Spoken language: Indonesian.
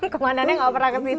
komandannya gak pernah ke situ